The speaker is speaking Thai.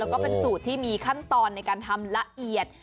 แล้วก็เป็นสูตรที่มีขั้นตอนในการทำละเอียด